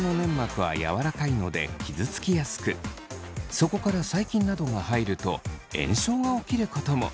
そこから細菌などが入ると炎症が起きることも。